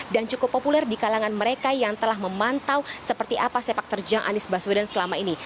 dan cukup populer di kalangan mereka yang telah memantau seperti apa sepak terjang anis baswedan selama ini